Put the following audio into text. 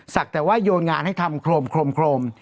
ศักดิ์แต่ว่ายนหงานให้ทำโครม